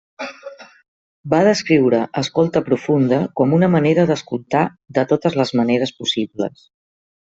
Va descriure escolta profunda com una manera d’escoltar de totes les maneres possibles.